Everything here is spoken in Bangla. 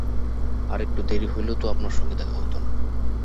আর একটু দেরি হলেই তো আপনার সঙ্গে দেখা হত না।